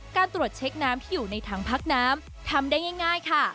การตรวจเช็คน้ำที่อยู่ในถังพักน้ำทำได้ง่ายค่ะ